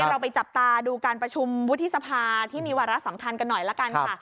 เราไปจับตาดูการประชุมวุฒิสภาที่มีวาระสำคัญกันหน่อยละกันค่ะ